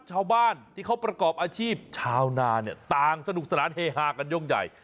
ชาวบ้านที่เขาประกอบอาชีพชาวนาเนี่ยต่างสนุกสนานเฮฮากันยกใหญ่